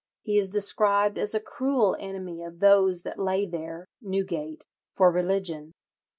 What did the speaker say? He is described as "a cruel enemy of those that lay there (Newgate) for religion.